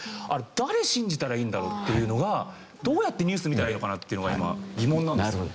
誰を信じたらいいんだろうっていうのがどうやってニュース見たらいいのかなっていうのが今疑問なんですよ。